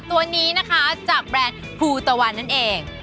ตัวนี้นะคะจากแบรนด์ภูตะวันนั่นเอง